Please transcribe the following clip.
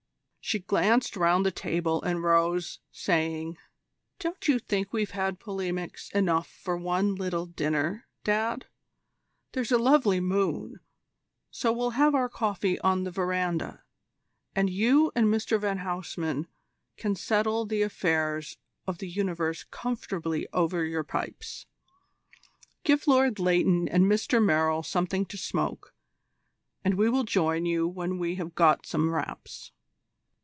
She glanced round the table and rose, saying: "Don't you think we've had polemics enough for one little dinner, Dad? There's a lovely moon, so we'll have our coffee on the verandah, and you and Mr van Huysman can settle the affairs of the universe comfortably over your pipes. Give Lord Leighton and Mr Merrill something to smoke, and we will join you when we have got some wraps."